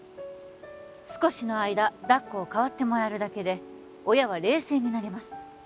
少しの間だっこを代わってもらえるだけで親は冷静になれます